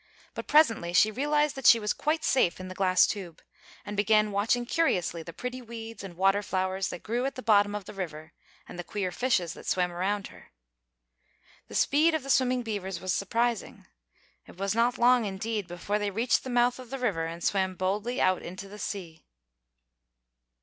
But presently she realized that she was quite safe in the glass tube, and began watching curiously the pretty weeds and water flowers that grew at the bottom of the river, and the queer fishes that swam around her. The speed of the swimming beavers was surprising. It was not long, indeed, before they reached the mouth of the river and swam boldly out into the sea.